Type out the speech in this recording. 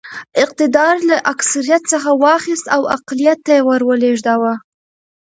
اقتدار له اکثریت څخه واخیست او اقلیت ته یې ور ولېږداوه.